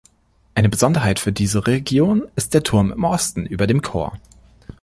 Eine Besonderheit für diese Region ist der Turm im Osten über dem Chor.